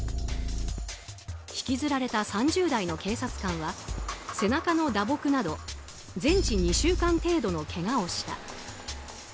引きずられた３０代の警察官は背中の打撲など全治２週間程度のけがをした。